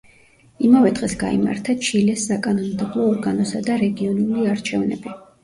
იმავე დღეს გაიმართა ჩილეს საკანონმდებლო ორგანოსა და რეგიონული არჩევნები.